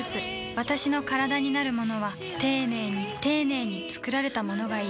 私のカラダになるものは丁寧に丁寧に作られたものがいい